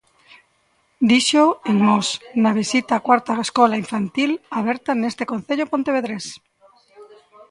Díxoo en Mos, na visita á cuarta escola infantil aberta nese concello pontevedrés.